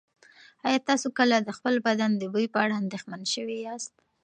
ایا تاسو کله د خپل بدن د بوی په اړه اندېښمن شوي یاست؟